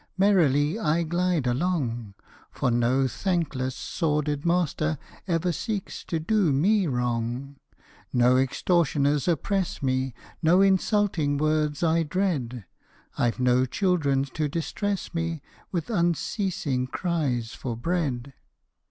Merrily I glide along, For no thankless, sordid master, Ever seeks to do me wrong: No extortioners oppress me, No insulting words I dread I've no children to distress me With unceasing cries for bread.